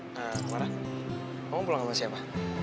nah mara kamu pulang sama siapa